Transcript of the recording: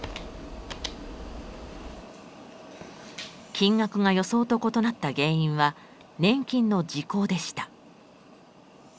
金額が予想と異なった原因は年金の時効でした。